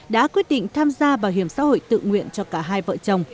đã quyết định tham gia bảo hiểm xã hội tự nguyện cho cả hai vợ chồng